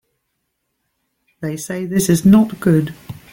They say this is not good.